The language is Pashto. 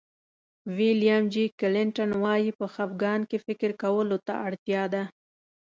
ویلیام جي کلنټن وایي په خفګان کې فکر کولو ته اړتیا ده.